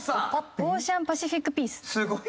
オーシャンパシフィックピース。